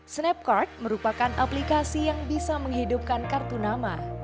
snapcard merupakan aplikasi yang bisa menghidupkan kartu nama